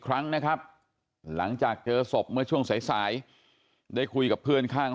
ครั้งนะครับหลังจากเจอศพเมื่อช่วงสายได้คุยกับเพื่อนข้าง